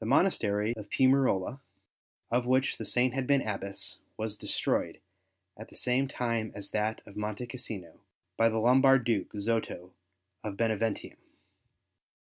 The monastery of Piumarola, of which the Saint had been Abbess, was destroyed at the same time as that of Monte Cassino, by the Lombard duke, Zoto of Beneventum.